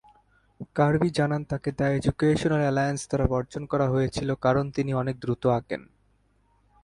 কার্বি জানান তাকে the educational alliance দ্বারা বর্জন করা হয়েছিল কারণ তিনি অনেক দ্রুত আঁকেন।